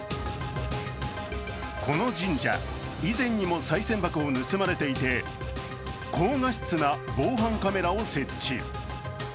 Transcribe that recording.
この神社、以前にもさい銭箱を盗まれていて高画質な防犯カメラを設置。